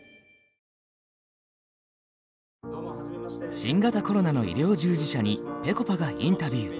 新型コロナの医療従事者にぺこぱがインタビュー。